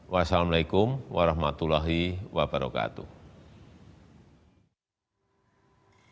wassalamualaikum warahmatullahi wabarakatuh